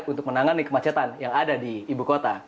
untuk menangani kemacetan yang ada di ibu kota